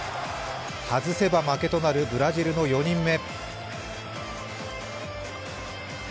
外せば負けとなるブラジルの４人目。